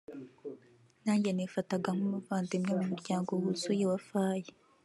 nanjye nifataga nk’umuvandimwe mu muryango wuzuye wa Faye